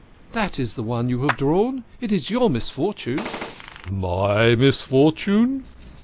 That is the one you have drawn. It is your misfortune." " My misfortune